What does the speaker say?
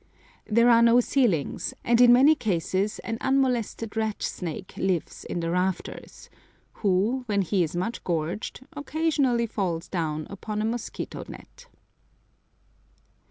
There are no ceilings, and in many cases an unmolested rat snake lives in the rafters, who, when he is much gorged, occasionally falls down upon a mosquito net.